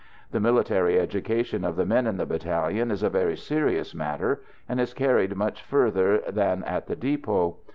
The military education of the men in the battalion is a very serious matter, and is carried much further than at the depot.